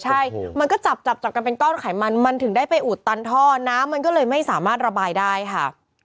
ใช่มันก็จับจับจับกันเป็นก้อนไขมันมันถึงได้ไปอุดตันท่อน้ำมันก็เลยไม่สามารถระบายได้ค่ะ